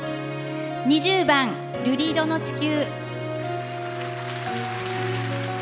２０番「瑠璃色の地球」。